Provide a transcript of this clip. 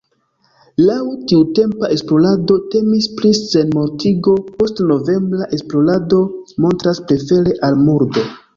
Laŭ tiutempa esplorado temis pri sinmortigo, postnovembra esplorado montras prefere al murdo.